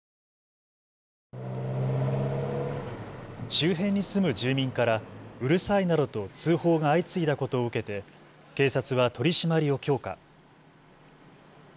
周辺に住む住民からうるさいなどと通報が相次いだことを受けて警察は取締りを強化。